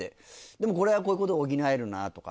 でもこれはこういうことが補えるなとか。